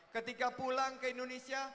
ketika pulang ke indonesia